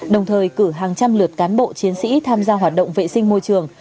đồng thời cử hàng trăm lượt cán bộ chiến sĩ tham gia hoạt động vệ sinh môi trường